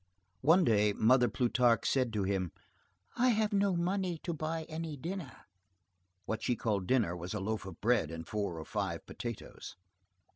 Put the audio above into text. One day, Mother Plutarque said to him:— "I have no money to buy any dinner." What she called dinner was a loaf of bread and four or five potatoes.